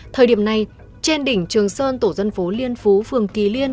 thời điểm này trên đỉnh trường sơn tổ dân phố liên phú phường kỳ liên